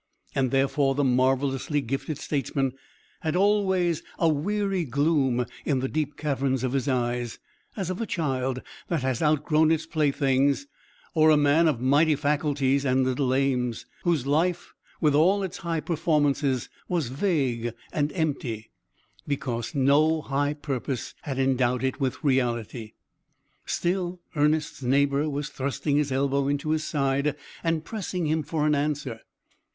And therefore the marvellously gifted statesman had always a weary gloom in the deep caverns of his eyes, as of a child that has outgrown its playthings, or a man of mighty faculties and little aims, whose life, with all its high performances, was vague and empty, because no high purpose had endowed it with reality. Still, Ernest's neighbour was thrusting his elbow into his side, and pressing him for an answer.